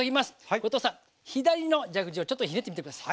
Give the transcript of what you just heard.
後藤さん左の蛇口をちょっとひねってみて下さい。